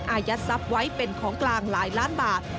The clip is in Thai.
อายัดทรัพย์ไว้เป็นของกลางหลายล้านบาท